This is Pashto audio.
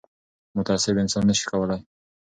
متعصب انصاف نه شي کولای